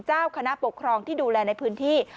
เจ้าคณะปกครองที่ดูแลในพื้นที่